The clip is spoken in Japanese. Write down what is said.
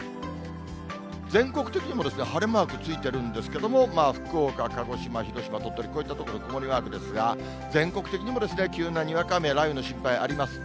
全国的にも晴れマークついてるんですけれども、まあ、福岡、鹿児島、広島、鳥取、こういった所で曇りマークですが、全国的にもですね、急なにわか雨や雷雨の心配あります。